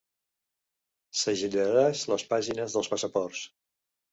Segellaràs les pàgines dels passaports.